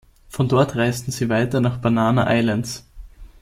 Von dort reisten sie weiter nach "Banana Islands".